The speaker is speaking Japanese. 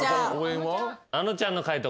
あのちゃんの解答